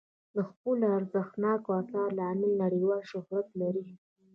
د خپلو ارزښتناکو اثارو له امله نړیوال شهرت لري.